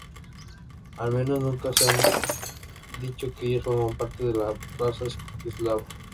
Al menos nunca se ha dicho que ellos forman parte de la raza eslava.